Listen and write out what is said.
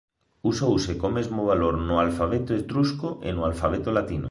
Usouse co mesmo valor no alfabeto etrusco e no alfabeto latino.